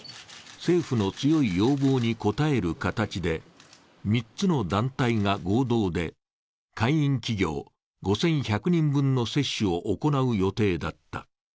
政府の強い要望に応える形で、３つの団体が合同で会員企業５１００人分の接種を行う予定だった。